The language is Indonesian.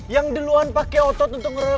yang deluan pake otot untuk ngerelek mic